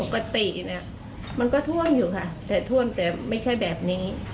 ประตินั้นมันก็ท่วมอยู่ค่ะแต่ท่วมไม่ใช่แบบนี้